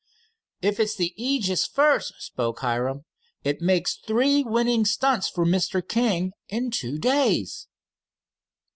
"If it's the Aegis first," spoke Hiram, "it makes three winning stunts for Mr. King in two days."